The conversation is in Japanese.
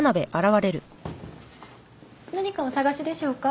何かお探しでしょうか？